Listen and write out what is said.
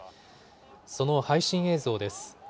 その配信映像です。